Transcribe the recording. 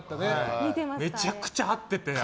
めちゃくちゃ合ってて。